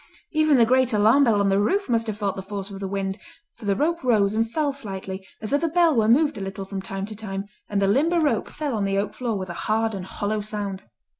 Even the great alarm bell on the roof must have felt the force of the wind, for the rope rose and fell slightly, as though the bell were moved a little from time to time and the limber rope fell on the oak floor with a hard and hollow sound.